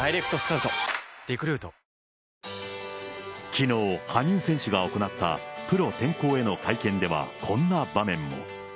きのう、羽生選手が行った、プロ転向への会見では、こんな場面も。